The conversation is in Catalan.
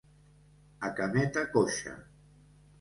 A cameta coixa.